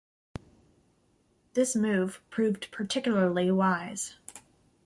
This move proved particularly wise.